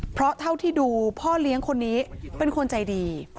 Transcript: เพราะเท่าที่ดูพ่อเลี้ยงคนนี้เป็นคนใจดี